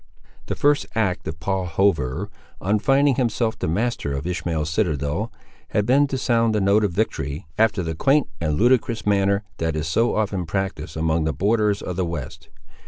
The first act of Paul Hover, on finding himself the master of Ishmael's citadel, had been to sound the note of victory, after the quaint and ludicrous manner that is so often practised among the borderers of the West.